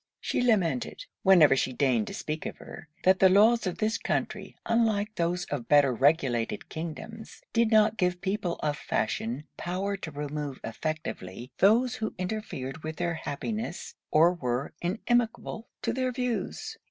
She lamented, whenever she deigned to speak of her, that the laws of this country, unlike those of better regulated kingdoms, did not give people of fashion power to remove effectually those who interfered with their happiness, or were inimical to their views.